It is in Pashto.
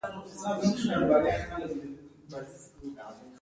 نشم کولای تا له ياده وباسم